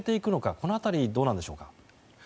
この辺り、どうなんでしょうか。